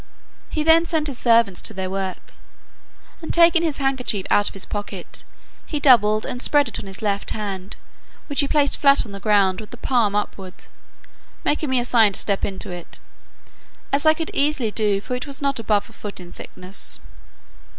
He then sent his servants to their work, and taking his handkerchief out of his pocket, he doubled and spread it on his left hand, which he placed flat on the ground with the palm upward, making me a sign to step into it, as I could easily do, for it was not above a foot in thickness.